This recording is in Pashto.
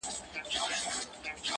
نه وي عشق کي دوې هواوي او یو بامه،